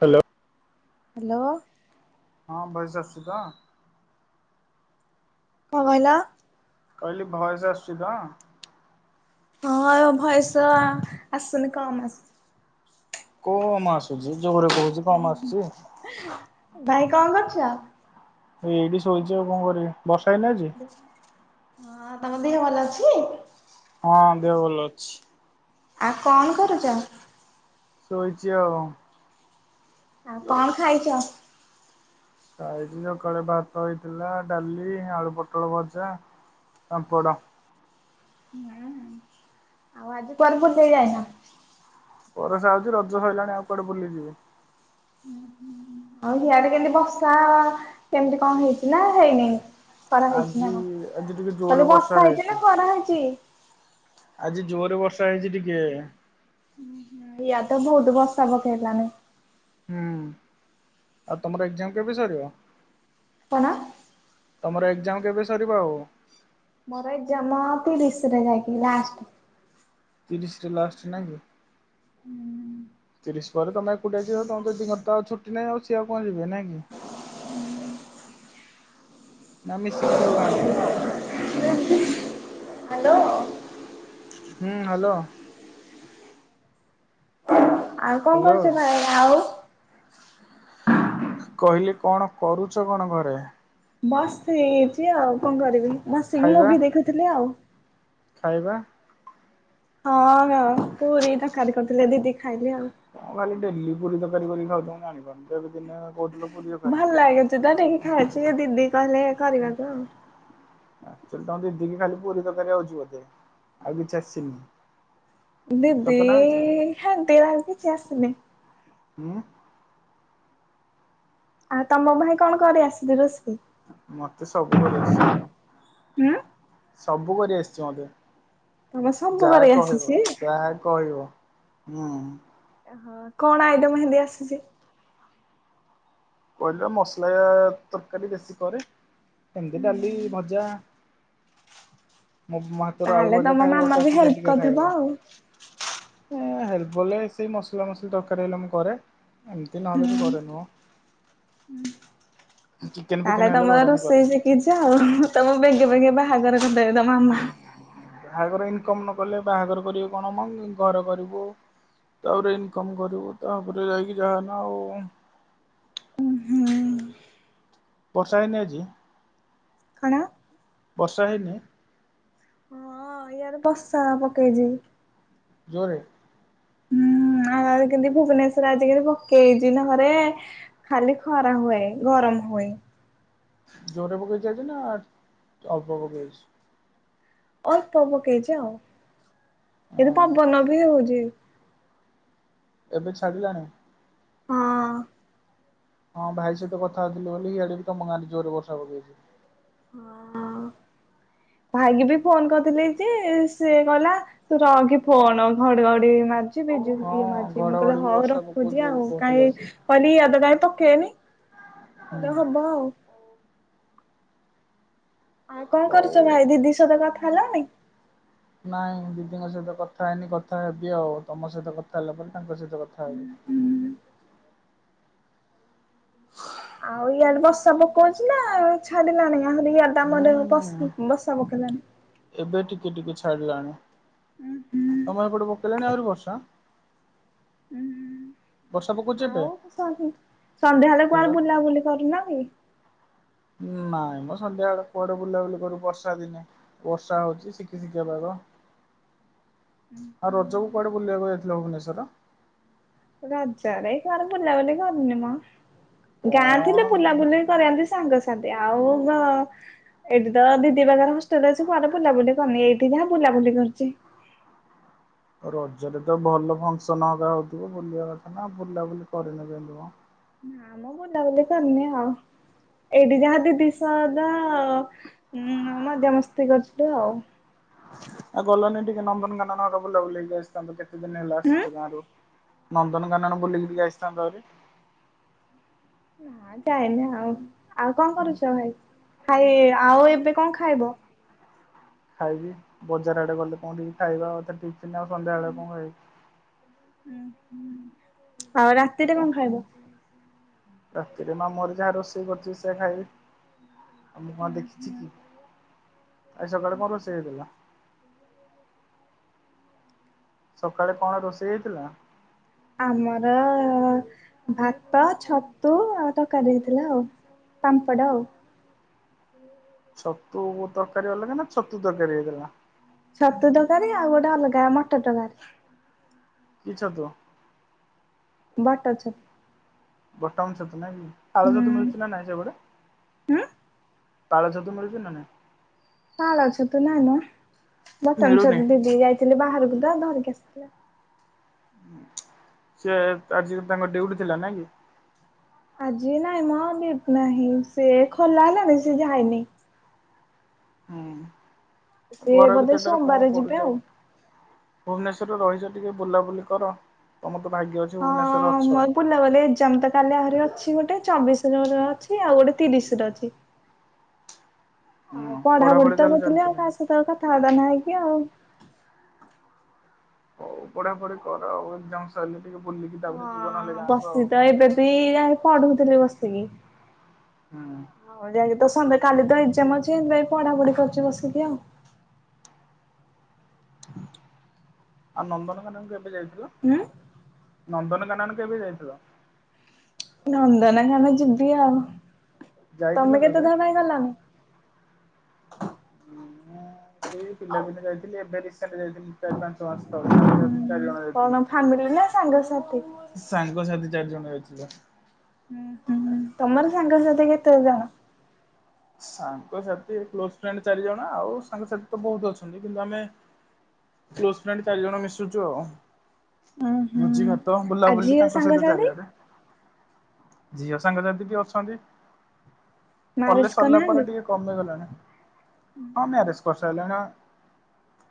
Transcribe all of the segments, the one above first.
Hello. Hello. ହଁ voice ଆସୁଛି ତ? କଣ କହିଲ? କହିଲି ଭୟସ ଆସୁଛି ତ? ହଁ ଭୟସ ଆ ଆସୁନି କମ୍ ଆସୁ କମ ଆସୁଛି ଜୋରେ କହୁଛି ପା କମ ଆସୁଛି? ଭାଇ କଣ କରୁଛ? ଏଇ ଏଇଠି ଶୋଇଛି ଆଉ କଣ କରିବ ବର୍ଷା ହେଇନି ଆଜି? ହଁ ତମ ଦେହ ଭଲ ଅଛି? ହଁ ଦେହ ଭଲ ଅଛି। ଆଉ କ ଣ କରୁଚ? ଶୋଇଛିି ଆଉ ଆଉ କ ଣ ଖାଇଛ? ଖାଇଛି ସକାଳେ ଭାତ ହେଇଥିଲା ଡାଲି, ଆଳୁ ପୋଟଳ ଭଜା। ପାମ୍ପଡ଼। ନାଁ ନାଁ ଆଉ ଆଜି କୁଆଡେ ବୁଲିଆକୁ ଯାଇନ? ବରଷା ହଉଛି ରଜ ସରିଲାଣି ଆଉ କୁଆଡେ ବୁଲିଯିବି। ହୁଁ ହୁଁ। ଆଉ ସିଆଡେ କେମତି ବର୍ଷା। କେମିତି କଣ ହେଇଛି ନା ହେଇନି। ଖରା ହେଇଛି ନା ଆଜି କଣ? ଆଜି ଟିକେ ଜୋରରେ କାଲି ବର୍ଷା ହେଇଛି ନା ଖରା ହେଇଛି। ଆଜି ଜୋରେ ବର୍ଷା ହେଇଛି ଟିକେ। ଇୟା ତ ବହୁତ ବର୍ଷା ପକାଇଲାଣି। ହୁଁ ଆଉ ତମର ଏକ୍ଜାମ କେବେ ସରିବ? କ ଣ? ତମର ଏକ୍ଜାମ କେବେ ସରିବ ଆଉ? ମୋର ଏକ୍ଜା ମ ତିରିଶିରେ ଯାଇକି ଲାଷ୍ଟ କୁ ତିରିଶି ଟା ଲାଷ୍ଟ ନାଇଁ କିି? ହୁଁ। ପ ପରେ ତମେଉଟେ ଯ ତମେ ଦୁିିନଥା ଆଉ ଛଟି ନାହିଁ ଆଉି ଆଉ କଣ ଯିବେ ନାଇଁ କି [unintelligible] ନାଁ ମିଶିକି ଯିବ ଗାଁ କୁ। ହ୍ୟାଲୋ। ହୁଁ ହ୍ୟାଲୋ। ଆଉ କଣ ହ୍ୟାଲୋ କରୁଛ ଭାଇ ଆଉ। କହିଲି କଣ କରୁଛ କଣ ଘରେ? ବସ ହେଛି ଆଉ କଣ କରିବି ବସିକି ଖାଇବା ମୁଭି ଦେଖୁଥିଲି ଆଉ। ଖାଇବା। ହଁ ପୁରୀ ତରକାରୀ କରିଥିଲେ ଦିଦି ଖାଇଲି ଆଉ। କଁ ଖାଲି ଡେଲି ପୁରୀ ତରକାରୀ କରି ଖାଉଛ ଜାଣିପାରୁନ ଏବେ ଦିନେ ଆଉ ଭଲ ଲାଗୁଛି ତ ଟକି ଖାଇଛି ଦିଦି କହିଲେ କରିବାକୁ ଆଉ। ତମ ଦିଦିକି ଖାଲି ପୁରୀ ତରକାରି ଆଉଛି ବୋଧେ? ଆଉ କିଛି ଆସିନି। ଦିଦି ସତ ନା ମିଛ ଦି କିଛି ଆସିନି। [unintelligible] ହୁଁ। ଆଉ ତମ ଭାଇ କଣ କରେ ଆସଲେ ରୋଷେଇ। ମତେ ସବୁ କରିଆସେ। ହୁଁ ସବୁ କରି ଆସିଛି ମତେ। ତମ ସବୁ କରି ଯାହା କହିବ ଆସିଛି? ଯାହା କହିବ। ହୁଁ। ଓହଁ କଣ ଆଇଟମ ଏମତି ଆସିଛି। କହିଲ ମସଲା ତରକାରୀ ବେଶୀ କରେ। ଏମିତି ଡାଲି, ହୁଁ ଭଜା। ମୋ ହାତରୁ ଆଳୁ ତାହେଲେ ଭଜା ତମ ଖାଇବ ମାମା ବି ହେଲ୍ପ ଚାଟି-ଚାଟିକା କରିଥିବ ଖାଇବ। ଆଉ। ଏ ହେଲ୍ପ ବଲେ ସେଇ ମସଲା ମସଲି ତରକାରୀ ହେଲା ମୁଁ କରେ ଏମିତି ନହେଲେ ବି ହୁଁ କରେ ନି। ଚିକେନ ଫିକେନ ତାହେଲେ ହେଲେ ତମର ଘରେ ମୁଁ କରେ। ରୋଷେଇ ସି କିଛ ଆଉ ତମ ବେଗେ ବେଗେ ବାହାଘର କରିଦେବେ ତମ ମାମା। ବାହାଘର ଇନକମ୍ ନ କଲେ ବାହାଘର କରିବେ କଣ ମମି ଘର କରିବୁ। ତାପରେ ଇନକମ୍ କରିବୁ ତାପରେ ଯାଇକି ଯାହାନା ଆଉ ଉଁ ହୁଁ ବର୍ଷା ହେଇନି ଆଜି। କଣ? ବର୍ଷା ହେଇନି। ଏଆଡେ ବର୍ଷା ପକେଇଛି। ଯୋରେ। ହୁଁ ଆଉ କେମତି ଭୁବନେଶ୍ଵର ଆଜି କେମ ପକେଇ ହେଛି ନା ଘରେ। ଖାଲି ଖରା ହୁଏ ଗରମ ହୁଏ। ଯୋରେ ପକେଇଚି ଆଜି ନା, ଅଳ୍ପ ପକେଇଛି। ଅଳ୍ପ ପକେଇଛି ଆଉ। ହଁ ଏଦ ପବନ ବି ହଉଛି। ଏବେ ଛାଡ଼ିିଲାଣି? ହଁ ଅଁ ହଁ ଭାଇ ସହିତ କଥା ହଉଥିଲି ବୋଲି ଇଆଡେ ବି ତମ ଗାଁରେ ଯୋରେ ବର୍ଷା ପକେଇଛି। ହଁ। [inaudible] ଭାଇକି ବି ଫୋନ କରିଥିଲି ଯେ -ସିଏ କହିଲା ତୁ ରଖେ ଫୋନ, ଘଡିଘଡି ମାରୁଛି। ଇଏ ହଁ ବିଜୁଳି ମାରୁଛି, ମୁଁ କହିଲେ ଘଡ଼ଘଡ଼ି ବି ହଉ ବର୍ଷା ପକଉଛି ରଖୁଛି ବୋଲି ଆଉ କହୁଥିଲେ କାହିଁ ସେ। କନି ଇଆଦ କାହିଁ ପକେଇନି, ହୁଁ ତାହେଲେ ହବ ଆଉ। ଆଉ କଣ ହଉ କରୁଛ ଭାଇ ଆଉ। ଦିଦି ସତ କଥା ହେଲଣିି? ନାଇଁ ଦିଦିଙ୍କ ସହିତ କଥା ହେଇନି, କଥା ହେବି ଆଉ, ତମ ସହିତ କଥା ହେଲା ପରେ ତାଙ୍କ ସହିତ କଥା ହେବି। ଆଉ ଇଆଡେ ବର୍ଷା ପକଉଛି ନା ଛାଡିଲାଣି ଆହୁରି ଇଆଡ ହୁଁ। ବର୍ଷା ପକାଇଲାଣି। ଏବେ ଟିକେ ଟିକେ ଛାଡିଲାଣି। ତମେ ଏପଟେ ପକେଇଲାଣି ଆହୁରି ବର୍ଷା? ବର୍ଷା ପକଉଛି ଉମ୍ ଏବେ ଆଉ ସନ୍ଧ୍ୟା ହେଲେ ହାଲୋ କୁଆଡ ବୁଲାବୁଲି କରୁନା କି? ନାଇଁମ ସନ୍ଧ୍ୟା ବେଳେ କୁଆଡେ ବୁଲାବୁଲି କରୁ ବର୍ଷା ଦିନେ? ବର୍ଷା ହଉଛି, ଶିକି ଶିକିଆ [unintelligible] ଆଉ ରଜକୁ କୁଆଡ଼େ ବୁଲିବାକୁ ଯାଇଥିଲ ଭୁବନେଶ୍ୱର? ରଜରେ କୁଆଡେ ବୁଲା ବୁଲି କରିନି ମ, ଗାଁ କଣ ଥିଲେ ବୁଲାବୁଲି କରିଆ ଯଦି ସାଙ୍ଗସାଥି ଆଉ ଏଇଠି ତ ଦିଦି ପାଖର ହଷ୍ଟେଲରେ ଅଛି କୁଆଡେ ବୁଲାବୁଲି କରିନି, ଏଇଠି ଯାହା ବୁଲାବୁଲି କରିଛି। [inaudible] ରଜରେ ତ ଭଲ ଫଙ୍କସନ ହବା ହଉଥିବ ବୁଲିବା କଥା ନା, ବୁଲାବୁଲି କରିନ କେମ୍ ତି ମ ନାମ ବୁ ଭଲ ଲାଗୁନି କରିନି ଆଉ, ଏଇଠି ଯାହା ଦିଦି ସହ [unintelligible] ଉମ୍ ମଜା ମସ୍ତି କରିଥିଲୁ ଆଉ। ଆଉ ଗଲନି ଟିକେ ନନ୍ଦନକାନନ ବୁଲା ବୁଲି କରି ଆସିଥା କେତେ ଦିନ ହେଲା ହୁଁ ଗାଁରୁ, ନନ୍ଦନକାନନ ବୁଲିକି ଟିକେ ଆସିଥାନ୍ତ ହାରି। ନା ଯାଇନି, ଆଉ ଆଉ କଣ କରୁଛ ଭାଇ, ଖାଇ ଆଉ ଏବେ କଣ ଖାଇବ? ଖାଇବି ବଜାର ଆଡେ ଗଲେ କଣ ଟିକେ ଖାଇବା ଟିଫିିନ ଆଉ ସନ୍ଧ୍ୟାବେଳେ କଣ ଖାଇବି? ଆଉ ରାତିରେ କଣ ଖାଇବ? ରାତିରେ ମାମୁଁଘରେ ଯାହା ରୋଷେଇ କରିଥବେ ସେୟା ଖାଇବି। ଆ ମୁଁ କଣ ଦେଖିଛି କି? ଆଜି ସକାଳେ କଣ ରୋଷେଇ ହେଇଥିଲା। [inaudible] ସକାଳେ କଣ ରୋଷେଇ ହେଇଥିଲା? ଆମର ଭାତ, ଛତୁ ଆଉ ତରକାରୀ ହେଇଥିଲା ଆଉ। ପାମ୍ପଡ଼ ଆଉ। ଛତୁ, ତରକାରୀ ଅଲଗା ନା ଛତୁ ତରକାରୀ ହେଇଥିଲା? ଛତୁ ତକାରି ଆଉ ଗୋଟେ ଅଲଗା ମଟର ଟକାରି। କି ଛତୁ? ବଟ ଅଛ। ବଟମ ଛତୁ ନାଇଁ କି? ହୁଁ ପାଳଛତୁ ମିଳୁଛି ନା ନାଇଁ ସେପରେ। ଉଁ ପାଳ ଛତୁ ମିଳୁଛି ନା ନାହିଁ? ପାଳ ଛତୁ ନାଇମ, ବଟମ ମିଳୁନି ଛତୁ ଦିଦି ଯାଇଥିଲି ବାହାରକୁ ତ ଧରିକି ଆସିଥିଲା। ସେ ଆଜି ତାଙ୍କ ଡଉଟି ଥିଲା ନାଇ କି? ଆଜି ନାଇଁ ମ ନାହିଁ ସେ ଖୋଲା ହେଲାଣି ସେ ଯାଇନି। ହୁଁ ସେ ଘର ବୋଧେ ଭିତର ଟାରେ କଣ ସୋମବାର ଯିବେ କରୁଛ। ଆଉ। ଭୁବନେଶ୍ବର ରେ ରହିଛ ଟିକେ ବୁଲାବୁଲି କର ତମର ତ ଭାଗ୍ୟ ଅଛି ଭୁବନେଶ୍ୱରରେ ଅଛ। ବୁଲାବଲି ଏକ୍ଜାମ୍ ତ କାଲି ଆହୁରି ଅଛି ଗୋଟେ ଚବିଶି ର ର ଅଛି ଆଉ ଗୋଟେ ତିରିଶି ର ଅଛି। ହୁଁ ଆଉ ପଢାପଢି ତ ତାହେଲେ କରୁଥିଲି ଚାଲିଛି ଆଉ ନାଇଁ? କାହା ସହିତ ଆଉ କଥାବାର୍ତ୍ତା ନ ହେଇକି ଆଉ। ହଉ ପଢାପଢି କର ଆଉ ଏକ୍ଜାମ୍ ସରିଲେ ଟିକେ ବୁଲିକି ତାପରେ ଯିବ ନହେଲେ ଗାଁକୁ ଆଉ। ତୁଇ [unintelligible] ପଢୁଥିଲି ବସିକି। ହୁଁ। ସଂଧ୍ୟା ବେଳେ ତ ସଂଧ୍ୟା କାଲି ତ ଏଜ୍କମ ଅଛି ସେଥିପାଇଁ ପଢାପଢି କରୁଛି ବସିକି ଆଉ। ଆଉ ନନ୍ଦନକାନନ କେବେ ଯାଇଥିଲ। ହୁଁ। ନନ୍ଦନକାନନ କେବେ ଯାଇଥିଲ। ନନ୍ଦନକାନନ ଯିବି ଆଉ ଯାଇଥିଲ ତମେ କେତେ କେବେ? ଥର ପାଇଁ ଗଲଣି, ମୁଁ ସେଇ ପିଲାଦିନେ ଯାଇଥିଲି ଏବେ ରିସେଣ୍ଟ୍ ଯାଇଥିଲି ଚାରି ପାଞ୍ଚ ମାସ ତଳେ ସାଙ୍ଗସାଥି ଚାରି ହୁଁ ଜଣ ଯାଇଥିଲୁ। କଣ ଫ୍ୟାମିଲି ନା ସାଙ୍ଗସାଥି। ସାଙ୍ଗସାଥି ଚାରି ଜଣ ଯାଇଥିଲୁ। ହୁଁ ହୁଁ। ହୁଁ ତମର ସାଙ୍ଗସାଥି କେତେ ଜଣ। ସାଙ୍ଗସାଥି ଏ କ୍ଲୋଜ୍ ଫ୍ରେଣ୍ଡ୍ ଚାରି ଜଣ ଆଉ ସାଙ୍ଗସାଥି ତ ବହୁତ ଅଛନ୍ତି କିନ୍ତୁ ଆମେ। କ୍ଲୋଜ୍ ଫ୍ରେଣ୍ଡ୍ ଚାରି ଜଣ ମିଶୁଛୁ ଆଉ। ଉଁ ଭୋଜି ହୁଁ ଭାତ ଆଉ ବୁଲାବୁଲି ଝିଅ ତାଙ୍କ ସହିତ ସାଙ୍ଗସାଥି? ଚାରଆଡେ। ଝିଅ ସାଙ୍ଗସାଥି ବି ଅଛନ୍ତି। କଲେଜ୍ ମ୍ୟାରେଜ ସରିଲା ପରେ କରିନାହାନ୍ତି ଟିକେ କମିଗଲାଣି ହଁ ମ୍ୟାରେଜ କରିସାରିଲାଣି।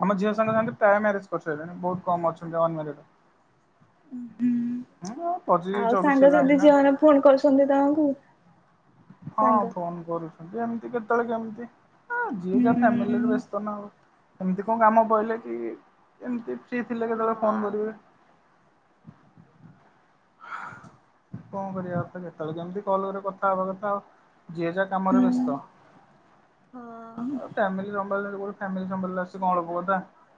ଆମ ଝିଅ ସାଙ୍ଗସାଥି ପ୍ରାୟେ ମ୍ୟାରେଜ୍ କରିସାରିଲେଣି ବହୁତ କମ୍ ଅଛନ୍ତି ଅନମ୍ୟାରେଡ୍। ହୁଁ ପଚିଶ ଚବିଶ ହେଲାଣି ନା। ଫୋନ୍ କରୁଛନ୍ତି ତାହାଙ୍କୁ। ହଁ ଫୋନ୍ କରୁଛନ୍ତି ଏମିତି କେତେବେଳେ କେମିତି। ହଁ ଯିଏ ହୁଁ ଯାହା ଫ୍ୟାମିଲିରେ ବ୍ୟସ୍ତ ନା ଆଉ ଏମିତି କଣ କାମ କହିଲେ କି ଏମତି। ସେ ଥିଲେ କେତେବେଳେ ହୁଁ ଫୋନ କରିବେ। କଣ କରିବା ଆଉ ତ କେତେବେଳେ କେମିତି କଲ୍ ଗୋଟେ କର। କଥା ହବା କଥା ଯିଏ ଯାହା କାମରେ ବ୍ୟସ୍ତ ହୁଁ ଆଉ ଫ୍ୟାମିଲି। କହିଲେ ଯେ ମୋର ଫ୍ୟାମିଲି ସମ୍ପର୍କରେ ଆସି କଣ ଅଳପ କଥା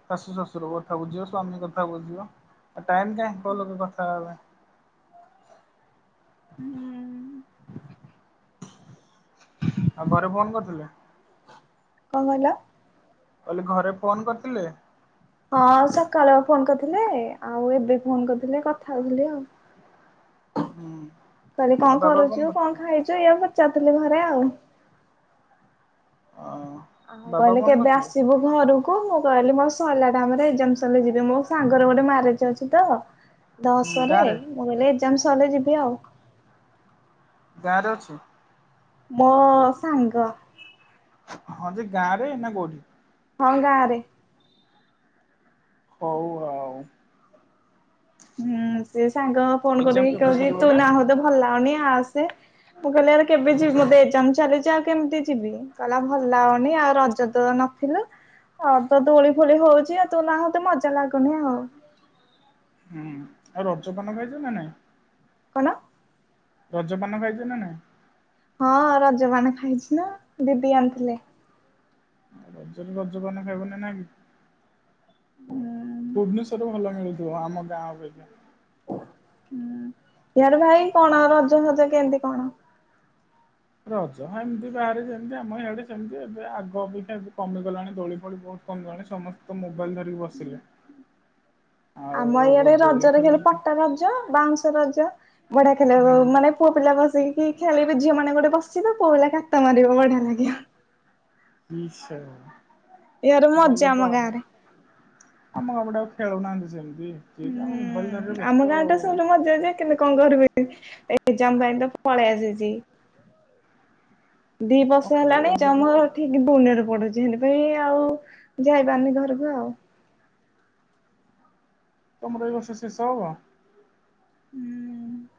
ଶାଶୁ ଶ୍ୱଶୁର କଥା ବୁଝିବ ସ୍ଵାମୀ କଥା ବୁଝିବ। ଆଉ ଟାଇମ୍ କାହିଁ ଭଲକି କଥା ହବା ପାଇଁ। ହୁଁ। ଆଉ ଘରେ ଫୋନ୍ କରିଥିଲେ। କଣ କହିଲ? କହିଲି ଘରେ ଫୋନ୍ କରିଥିଲେ। ହଁ ସକାଳେ ଆ ଫୋନ୍ କରିଥିଲେ ଆଉ ଏବେ ଫୋନ୍ କରିଥିଲେ କଥା ହଉଥିଲି ଆଉ। [inaudible] କହିଲେ ଆଉ କଣ ବାବା ଫୋନ୍ କରୁଛୁ କଣ କରିଥିଲେ ଖାଇଛୁ ଏଇଆ ପଚାରୁଥିଲି ଘରେ ଆଉ। ଓହୋ। ଆଉ ମୁଁ କହିଲି କେବେ ଆସିବୁ। ଘରକୁ ମୁଁ କହିଲି ମୋ ସରିଲା ଟାଇମ୍ ରେ ଏକ୍ଜାମ୍ ସରିଲେ ଯିବି ମୋ ସାଙ୍ଗର ଗୋଟେ ମ୍ୟାରେଜ୍ ଅଛି ତ। [inaudible] ଦଶ ରେ ଗାଁରେ ମୁଁ କହିଲେ ଏକ୍ଜାମ୍ ସରିଲେ ଯିବି ଆଉ। ଗାଁରେ ଅଛି। ମୋ ସାଙ୍ଗ। ହଁ ଯେ ଗାଁ ରେ ନାଁ କୋଉଠି। ହଁ ଗାଁରେ। ହଉ ଆଉ। ହୁଁ ସିଏ ସାଙ୍ଗ ଫୋନ୍ ଏକ୍ଜାମ୍ କରିକି କେବେ କହୁଚି ସରିବ ତୁ ଏଟା? ନାହୁଁ ତ ଭଲ ଲାଗୁନି ଆସେ। ମୁଁ କହିଲି ଆରେ କେବେ ଯିବି ମୋର ତ ଏଜ୍ଜାମ୍ ଚାଲିଚି ଆଉ କେମିତି ଯିବି? କହିଲା ଭଲ ଲାଗୁନି ଆଉ ରଜ ରେ ତ ନଥିଲୁ। ଆଉ ତ ଦୋଳି ଫୋଳି ହଉଚି ଯେ ତୁ ନାହୁଁ ତ ମଜା ଲାଗୁନି ଆଉ। ହୁଁ, ଆଉ ରଜପାନ ଖାଇଚ ନା ନାଇଁ? କଣ? ରଜପାନ ଖାଇଚ ନା ନାଇଁ? ହଁ ରଜପାନ ଖାଇଚି ନା ଦିଦି ଆଣିଥିଲେ। ରଜରେ ରଜପାନ ଖାଇବ ନା ନାହିଁ। ଭୁବନେଶ୍ଵର ରେ ଭଲ ମିଳୁ ଯୋଉ ଆମ ଗାଁ ଅପେକ୍ଷା। ସିଆଡେ ଭାଇ କଣ ରଜ ଫଜ କେନ୍ତି କଣ? ରଜ ଏମତି ବାହାରେ ଯେମତି ଆମ ଇଆଡେ ସେମତି। ଏବେ ଆଗ ଅପେକ୍ଷା ଏବେ କମିଗଲାଣି ଦୋଳି ଫୋଳି ବହୁତ୍ କମି ଗଲାଣି ସମସ୍ତେ ତ ମୋବାଇଲ୍ ଧରିକି ବସିଲେ। ଆମ ଆଉ ଇଆଡେ ଦୋଳି ରଜରେ ଖେଳ ଖାଲି ପଟା ରଜ ବାଉଁଶ ରଜ ବଢିଆ ହୁଁ ଖେଳେଇବାକୁ ମାନେ ପୁଅ ପିଲା ବସିକି ଖେଳିବେ ଝିଅ ମାନେ ଗୁରେ ବସିବେ। ପୁଅ ପିଲା କାତ ମାରିବେ ବଢିଆ ଲାଗିବ। [unintelligible] ଏହାର ମଜା ଭଲ ଆମ ତ ହବ। ଗାଁରେ ଆମ ଏପଟେ ଆଉ ଖେଳୁନାହାନ୍ତି ସେମତି। ସିଏ ହୁଁ। ତାଙ୍କ ମୋବାଇଲ୍ ଧରିବାରେ ବ୍ୟସ୍ତ ଆଉ। କେନ୍ତି କଣ କରିବି, ଏକ୍ଜାମ୍ ପାଇଁ ତ ପଳେଇ ଆସିଚି। ଦି ବର୍ଷ ହଉ ହେଲାଣି। ଏକ୍ଜାମ [unintelligible] ପୁନେରେ ପଢୁଚି। ହେନ୍ତି ପାଇଁ ଆଉ ଯାଇପାରୁନି ଘରକୁ ଆଉ। ତମର ଏଇ ବର୍ଷ ଶେଷ ହବ? ହୁଁ।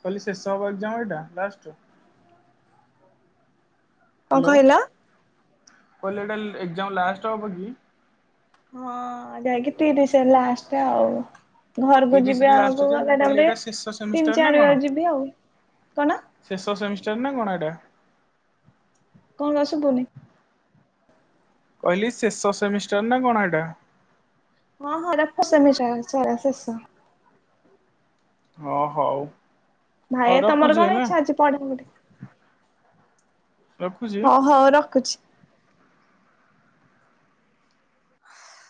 କହିଲି ଶେଷ ହବ ଏକ୍ଜାମ୍ ଏଇଟା ଲାଷ୍ଟ୍? କଣ ହାଲୋ। କହିଲ? କହିଲି ଏଇଟା ଏକ୍ଜାମ୍ ଲାଷ୍ଟ୍ ହବ କି? ହଁ ଯାଇକି ତିରିଶି ରେ ଲାଷ୍ଟ୍ ଆଉ। ଘରକୁ ଯିବି ତିରିଶରେ ବାକୁ ଲାଷ୍ଟ ଯେ ମୁଁ ଗଲେ କହିଲି ତାପରେ ଏଇଟା ଶେଷ ସେମିଷ୍ଟାର ତିନି ନା ଚାରି କଣ ବା ଯିବି ଆଉ। କଣ? ଶେଷ ସେମିଷ୍ଟାର ନା କଣ ଏଟା? କଣ ଶୁବୁନି? କହିଲି ଶେଷ ସେମିଷ୍ଟାର ନା କଣ ଏଟା? ହଁ ହଁ [unintelligible] ସେମିଷ୍ଟାର ସଇଲା ଶେଷ। ହଁ ହଉ। ହଉ ଭାଇୟା ତମର ରଖୁଛି କଣ ହେଲା ଇଚ୍ଛା ଅଛି। [unintelligible] ହ ରଖୁଛି। ହଉ ରଖୁଚି। [inaudible]